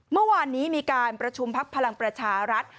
เมื่อวานนี้มีการประชุมพักพลังประชารัฐ